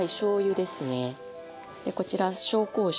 でこちら紹興酒。